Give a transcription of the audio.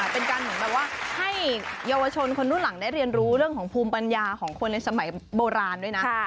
เป็นการเหมือนแบบว่าให้เยาวชนคนรุ่นหลังได้เรียนรู้เรื่องของภูมิปัญญาของคนในสมัยโบราณด้วยนะ